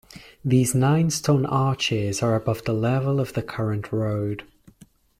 These nine stone arches are above the level of the current road.